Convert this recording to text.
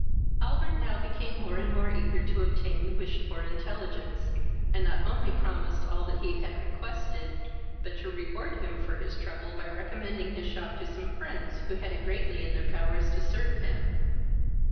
Albert now became more and more eager to obtain the wished for intelligence, and not only promised all that he had requested, but to reward him for his trouble, by recommending his shop to some friends who had it greatly in their power to serve him.